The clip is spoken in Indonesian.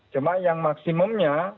cuma yang maksimumnya